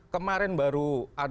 kemarin baru ada